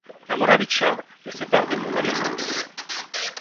La Moravica le sépare des monts Golija.